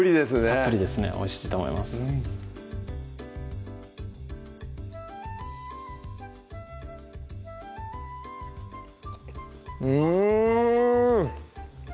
たっぷりですねおいしいと思いますうん！